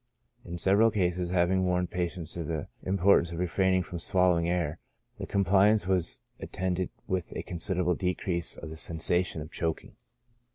In several cases, having warned patients ofthe importance of refraining frcm swallowing air, the compliance was attended with a considerable decrease of the sensation of choking.